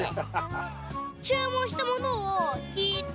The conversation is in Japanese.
注文したものを聞いて、